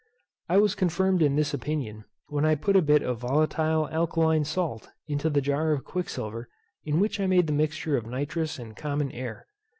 I was confirmed in this opinion when I put a bit of volatile alkaline salt into the jar of quicksilver in which I made the mixture of nitrous and common air.